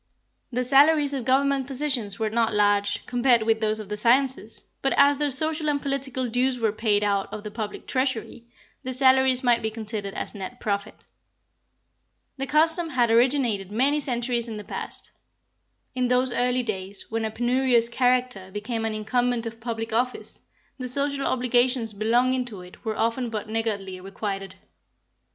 The salaries of Government positions were not large, compared with those of the sciences; but as their social and political dues were paid out of the public treasury, the salaries might be considered as net profit. This custom had originated many centuries in the past. In those early days, when a penurious character became an incumbent of public office, the social obligations belonging to it were often but niggardly requited.